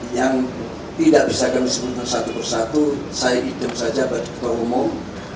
yang tidak bisa kami sebutkan satu persatu saya idem saja bagi ketua umum